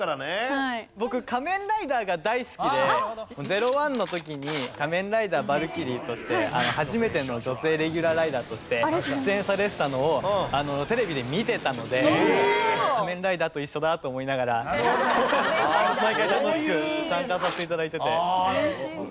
僕『仮面ライダー』が大好きで『ゼロワン』の時に仮面ライダーバルキリーとして初めての女性レギュラーライダーとして出演されてたのをテレビで見てたので。と思いながら毎回楽しく参加させて頂いてて。